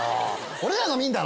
俺らが見んだろ？